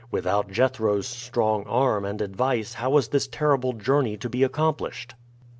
Without Jethro's strong arm and advice how was this terrible journey to be accomplished?